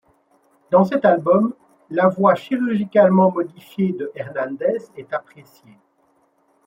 Dans cet album, la voix chirurgicalement modifiée de Hernández est appréciée.